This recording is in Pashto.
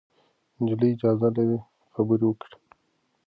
نجلۍ اجازه لري خبرې وکړي.